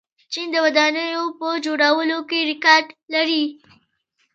چین د ودانیو په جوړولو کې ریکارډ لري.